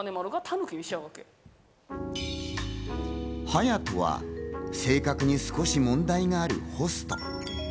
ハヤトは性格に少し問題があるホスト。